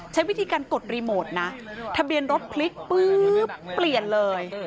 ใช้วิธีการกดรีโมทนะทะเบียนรถพลิกปุ๊บเปลี่ยนเลย